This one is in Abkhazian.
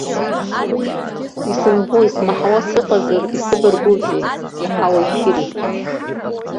Исымбо-исмаҳауа сыҟазар исыбаргәызеи, иаҳауеи шьыри!